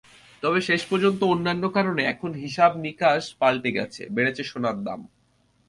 তবে শেষ পর্যন্ত অন্যান্য কারণে এসব হিসাব-নিকাশ পাল্টে গেছে, বেড়েছে সোনার দাম।